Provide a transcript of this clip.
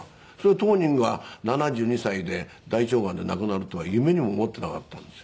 当人が７２歳で大腸がんで亡くなるとは夢にも思ってなかったんですよ。